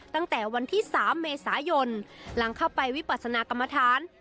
ตั้งแต่วันที่๓เมษายนหลังเข้าไปวิปัสนากรรมฐาน